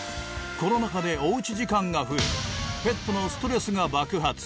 コロナ禍でおうち時間が増えペットのストレスが爆発！